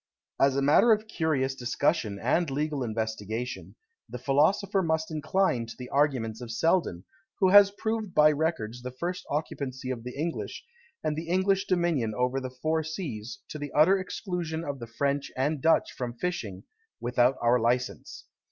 As a matter of curious discussion and legal investigation, the philosopher must incline to the arguments of Selden, who has proved by records the first occupancy of the English; and the English dominion over the four seas, to the utter exclusion of the French and Dutch from fishing, without our licence.